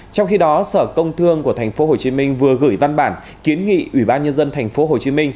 trong khi đó sở công thương của tp hcm vừa gửi văn bản kiến nghị ủy ban nhân dân tp hcm